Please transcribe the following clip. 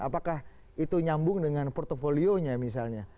apakah itu nyambung dengan portfolionya misalnya